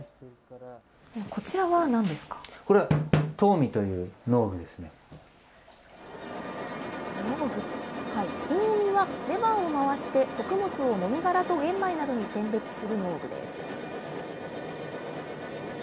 唐箕は、レバーを回して、穀物をもみ殻と玄米などに選別する農具です。